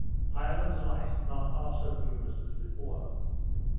islands of ice not half so numerous as before.